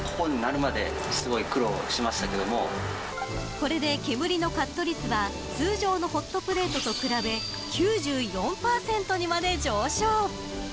これで煙のカット率は通常のホットプレートと比べ９４％にまで上昇。